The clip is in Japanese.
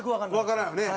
わからんよね。